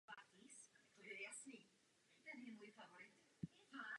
Hlavním úkolem banky byla správa československé měny kryté zlatem.